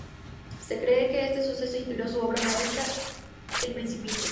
Se cree que este suceso inspiró su obra maestra, "El Principito".